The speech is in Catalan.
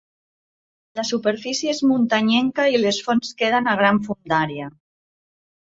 La superfície és muntanyenca i les fonts queden a gran fondària.